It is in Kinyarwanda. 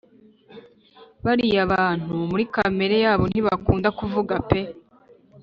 bariya bantu muri kamere yabo ntibakunda kuvuga pe